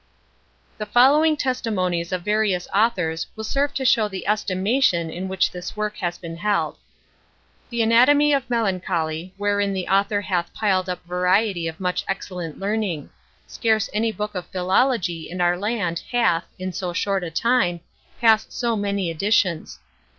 _) The following testimonies of various authors will serve to show the estimation in which this work has been held:— The ANATOMY OF MELANCHOLY, wherein the author hath piled up variety of much excellent learning. Scarce any book of philology in our land hath, in so short a time, passed so many editions.